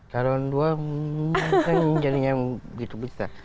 kalau dua duanya mungkin jadinya gitu bisa